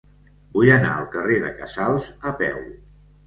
Vull anar al carrer de Casals a peu.